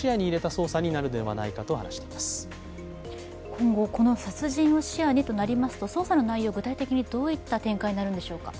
今後、殺人を視野にとなりますと捜査の内容、具体的にどういった展開になるんでしょうか。